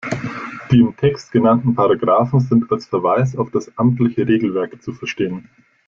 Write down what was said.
Die im Text genannten Paragraphen sind als Verweis auf das amtliche Regelwerk zu verstehen.